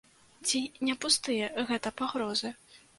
Ці не пустыя гэта пагрозы?